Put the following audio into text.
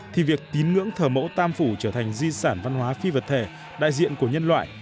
thì việc tín ngưỡng thờ mẫu tam phủ trở thành di sản văn hóa phi vật thể đại diện của nhân loại